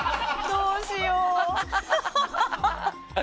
どうしよう。